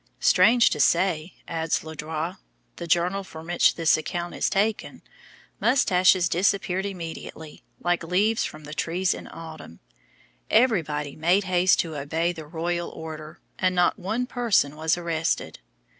"Strange to say," adds Le Droit, the journal from which this account is taken, "moustaches disappeared immediately, like leaves from the trees in autumn; every body made haste to obey the royal order, and not one person was arrested."